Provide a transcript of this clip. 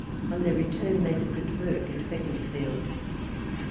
On their return they visit Burke at Beaconsfield.